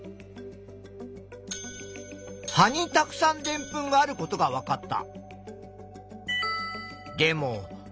葉にたくさんでんぷんがあることがわかった。